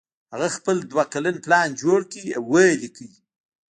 هغه خپل دوه کلن پلان جوړ کړ او ویې لیکه